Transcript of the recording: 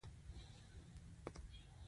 په دې کار کې د تکرار موضوع ډېره مهمه ده.